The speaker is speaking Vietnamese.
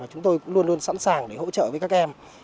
chúng tôi cũng luôn luôn sẵn sàng để hỗ trợ với các em